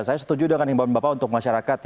saya setuju dengan imbauan bapak untuk masyarakat